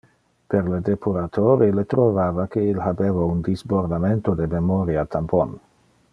Per le depurator, ille trovava que il habeva un disbordamento de memoria tampon.